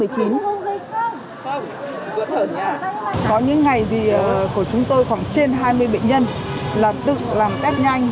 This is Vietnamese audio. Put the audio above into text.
có những ngày thì của chúng tôi khoảng trên hai mươi bệnh nhân là tự làm test nhanh